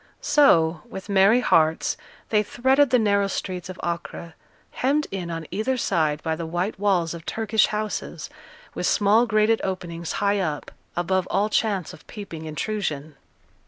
So, with merry hearts, they threaded the narrow streets of Acre, hemmed in on either side by the white walls of Turkish houses, with small grated openings high up, above all chance of peeping intrusion.